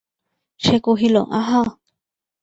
সে কহিল, আহা!